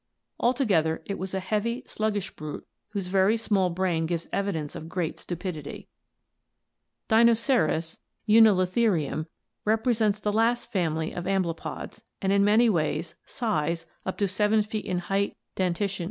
Altogether it was a heavy sluggish brute whose very small brain gives evidence of I great stupidity. Dtnoceras (Uintather i turn) (Fig. 180) repre sents the last family of amblypods and in many ways — size, up to 7 feet in height, dentition, and FlO.